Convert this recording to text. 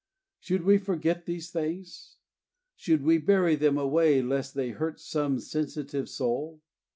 Should we forget these things? Should we bury them away lest they hurt some sensitive soul?